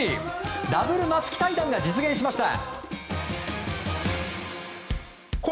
ダブル松木対談が実現しました。